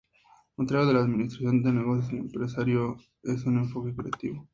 Al contrario de la administración de negocios, el empresariado es un enfoque creativo.